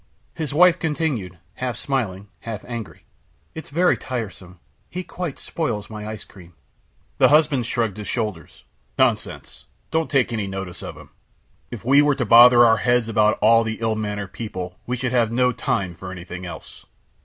His wife continued, half smiling, half angry: "It's very tiresome! He quite spoils my ice cream." The husband shrugged his shoulders. "Nonsense! Don't take any notice of him. If we were to bother our heads about all the ill mannered people we should have no time for anything else."